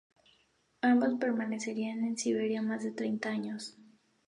Ambos permanecerían en Siberia más de treinta años.